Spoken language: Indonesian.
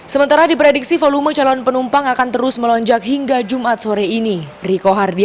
sementara diprediksi volume calon penumpang akan terus melonjak hingga jumat sore ini